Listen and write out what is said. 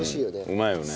うまいよね。